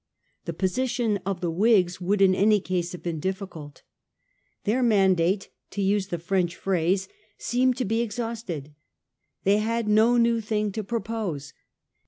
The position of the Whigs would in any case have been difficult. Their man date, to use the Prench phrase, seemed to be ex hausted. They had no new thing to propose.